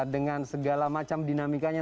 dengan segala macam dinamikanya